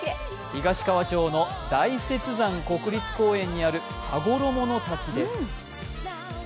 東川町の大雪山国立公園にある羽衣の滝です。